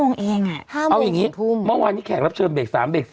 ๕โมงถึงทุ่มเอาอย่างนี้เมื่อวานนี้แขกรับเชิญเบรก๓เบรก๔